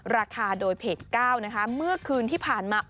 ราคาโดยเพจ๙นะคะเมื่อคืนที่ผ่านมา